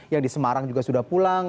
yang di semarang juga sudah pulang